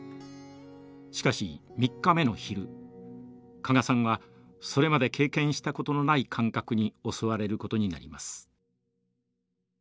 しかし３日目の昼加賀さんはそれまで経験したことのない感覚に襲われることになります。